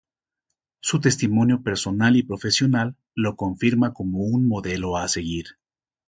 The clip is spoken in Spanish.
Su testimonio personal y profesional lo confirma como un modelo a seguir.